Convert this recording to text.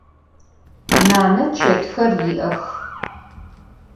Nane çetxer yi'ex.